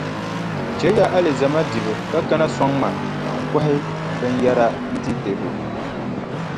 Chɛliya alizama dibu ka kana sɔŋ ma ka n kɔhi binyɛra n-ti Debo.